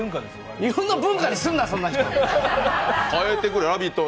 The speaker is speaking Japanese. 日本の文化にすんな、そんなの。